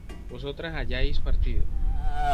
vosotras hayáis partido